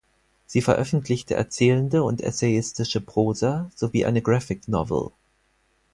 Sie veröffentlichte erzählende und essayistische Prosa sowie eine Graphic Novel.